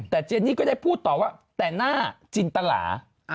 แต่เจนนี่ก็ได้พูดต่อว่าแต่หน้าจินตลา